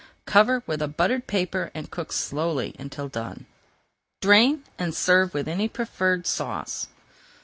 Cover with a buttered paper and cook slowly until done. Drain and serve with any preferred sauce.